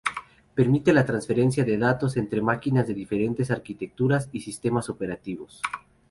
Permite la transferencia de datos entre máquinas de diferentes arquitecturas y sistemas operativos.